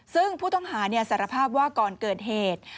ซึ่งผู้ต้องหาสารภาพว่าก่อนเกิดเหตุ